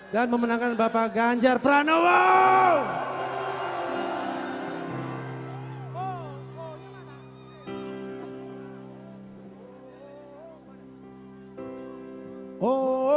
dan memenangkan bapak ganjar pranowo